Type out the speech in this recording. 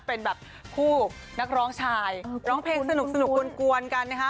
เป็นแบบคู่นักร้องชายร้องเพลงสนุกกวนกันนะคะ